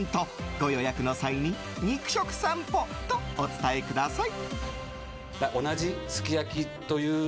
ご予約の際に肉食さんぽとお伝えください。